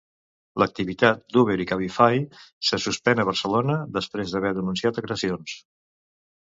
L'activitat d'Uber i Cabify se suspèn a Barcelona després d'haver denunciat agressions.